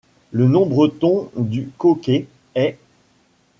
Le nom breton du Conquet est '.